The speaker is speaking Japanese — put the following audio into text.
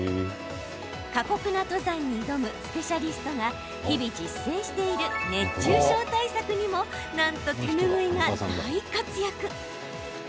過酷な登山に挑むスペシャリストが日々実践している熱中症対策にもなんと手ぬぐいが大活躍。